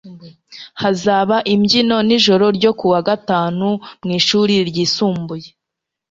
Hazaba imbyino nijoro ryo kuwa gatanu mwishuri ryisumbuye.